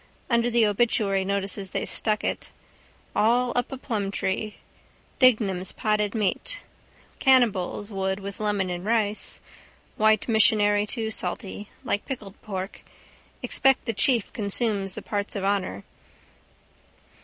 Under the obituary notices they stuck it. All up a plumtree. Dignam's potted meat. Cannibals would with lemon and rice. White missionary too salty. Like pickled pork. Expect the chief consumes the parts of honour.